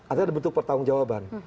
artinya ada bentuk pertanggung jawaban